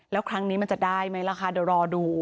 แล้วครั้งนี้มันจะได้ไหมล่ะคะเดี๋ยวรอดู